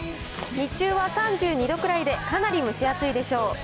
日中は３２度くらいで、かなり蒸し暑いでしょう。